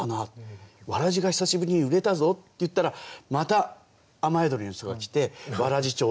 わらじが久しぶりに売れたぞ」って言ったらまた雨宿りの人が来て「わらじ頂戴」。